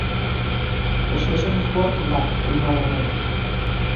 Тышечын форт-влак тӱҥалыныт.